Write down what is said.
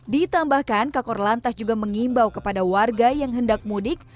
ditambahkan kakor lantas juga mengimbau kepada warga yang hendak mudik